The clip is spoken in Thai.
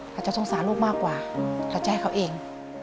เขาจะสงสารลูกมากกว่าเขาจะให้เขาเอง